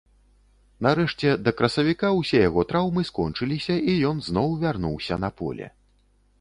Нарэшце, да красавіка ўсе яго траўмы скончыліся і ён зноў вярнуўся на поле.